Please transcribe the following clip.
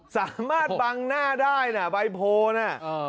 สามารถบังหน้าได้นะใบโพลน่ะ